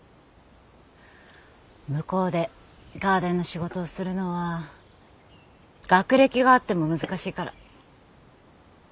向こうでガーデンの仕事をするのは学歴があっても難しいから。